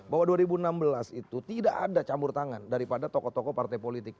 bahwa dua ribu enam belas itu tidak ada campur tangan daripada tokoh tokoh partai politik